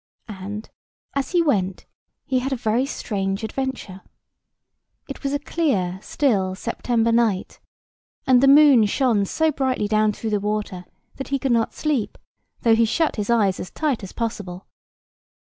And, as he went, he had a very strange adventure. It was a clear still September night, and the moon shone so brightly down through the water, that he could not sleep, though he shut his eyes as tight as possible.